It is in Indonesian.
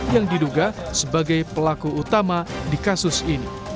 yang diduga sebagai pelaku utama di kasus ini